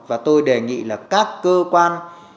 và tôi đề nghị là các cơ quan